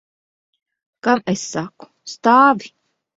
Kam es saku? Stāvi!